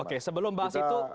oke sebelum bahas itu